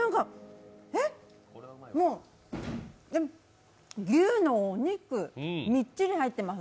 えっ、もう牛のお肉、みっちり入ってます。